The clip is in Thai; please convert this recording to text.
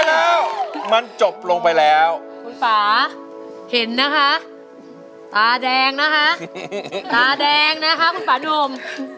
ตาแดงอ่ะคุณฟ่านม